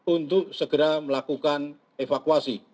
untuk segera melakukan evakuasi